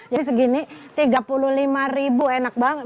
jadi segini tiga puluh lima ribu enak banget